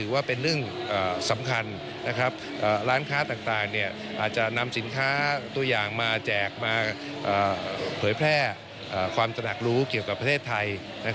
ว่าถ้าตัวอย่างมาแจกเผยแพร่ความตนักรู้เกี่ยวกับประเทศไทย